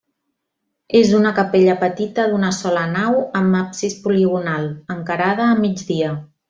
És una capella petita d'una sola nau amb absis poligonal, encarada a migdia.